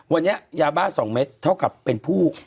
วันนี้ยาบ้า๒เม็ดเท่ากับเป็นผู้